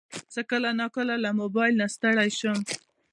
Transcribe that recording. زه کله ناکله له موبایل نه ستړی شم.